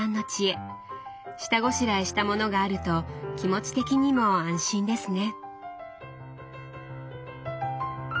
下ごしらえしたものがあると気持ち的にも安心ですね。